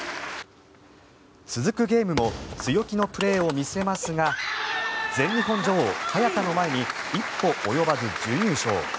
続くゲームも強気のプレーを見せますが全日本女王・早田の前に一歩及ばず準優勝。